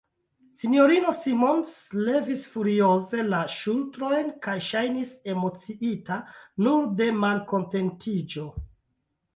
S-ino Simons levis furioze la ŝultrojn, kaj ŝajnis emociita nur de malkontentiĝo.